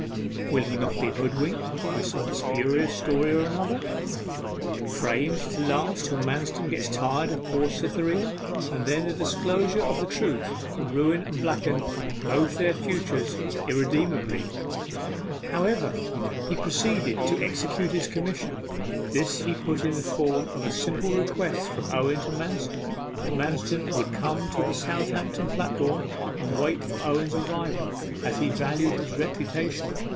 Will he not be hoodwinked by some specious story or another, framed to last till Manston gets tired of poor Cytherea? And then the disclosure of the truth will ruin and blacken both their futures irremediably.' However, he proceeded to execute his commission. This he put in the form of a simple request from Owen to Manston, that Manston would come to the Southampton platform, and wait for Owen's arrival, as he valued his reputation.